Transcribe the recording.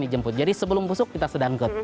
jadi sebelum busuk kita sudah angkut